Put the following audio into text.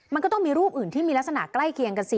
มันก็ต้องมีรูปอื่นที่มีลักษณะใกล้เคียงกันสิ